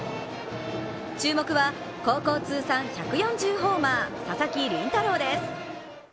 注目は高校通算１４０ホーマー佐々木麟太朗です。